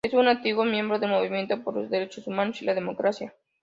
Es un antiguo miembro del Movimiento por los Derechos Humanos y la Democracia.